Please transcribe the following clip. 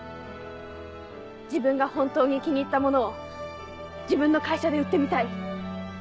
自分が本当に気に入ったものを自分の会社で売ってみたい。